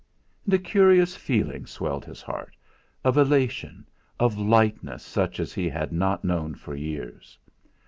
And a curious feeling swelled his heart, of elation, of lightness such as he had not known for years.